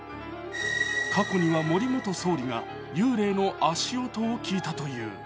過去には森元総理が幽霊の足音を聞いたという。